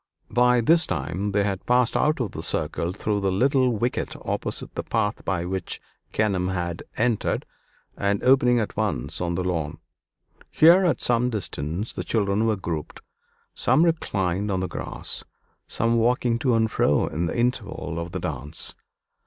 By this time they had passed out of the circle through the little wicket opposite the path by which Kenelm had entered, and opening at once on the lawn. Here at some distance the children were grouped; some reclined on the grass, some walking to and fro, in the interval of the dance....